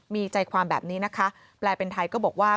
มีใจความแบบนี้นะคะแปลเป็นไทยก็บอกว่า